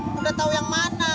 gue udah tau yang mana